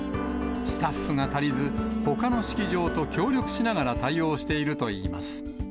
スタッフが足りず、ほかの式場と協力しながら対応しているといいます。